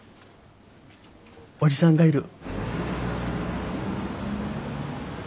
叔父さんがいる。